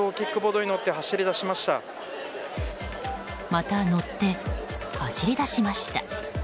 また乗って走り出しました。